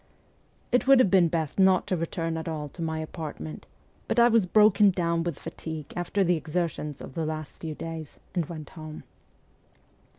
It would have been best not to return at all to my apartment, but I was broken down with fatigue after the exertions of the last few days, and went home.